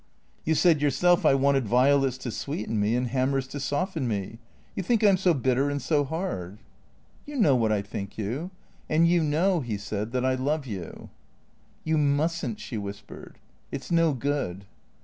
" You said yourself I wanted violets to sweeten me and ham mers to soften me — you think I 'm so bitter and so hard." T H E C R E A T 0 E S 229 " You know what I think you. And you know," he said, " that I love you." " You must n't," she whispered. " It 's no good."